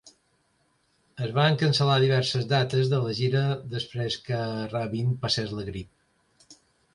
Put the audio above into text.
Es van cancel·lar diverses dates de la gira després que Rabin passés la grip.